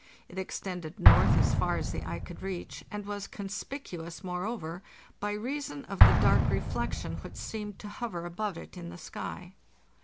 It extended north as far as the eye could reach, and was conspicuous, moreover, by reason of the dark reflec tion which seemed to hover above it in the sky.